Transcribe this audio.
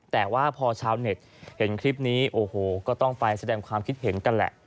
แต่ว่าพอชาวเน็ตเห็นคลิปนี้โอ้โหก็ต้องไปแสดงความคิดเห็นกันแหละ